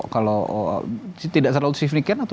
kalau tidak terlalu signifikan atau